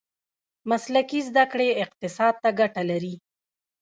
مسلکي زده کړې اقتصاد ته ګټه لري.